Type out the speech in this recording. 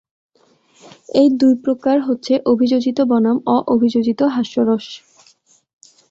এই দুই প্রকার হচ্ছে অভিযোজিত বনাম অ-অভিযোজিত হাস্যরস।